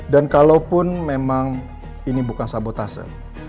dan kalaupun memang ini bukan sabotase